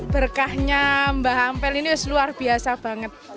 berkahnya mbak ampel ini luar biasa banget